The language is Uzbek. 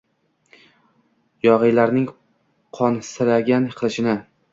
Yogʼiylarning qonsiragan qilichini…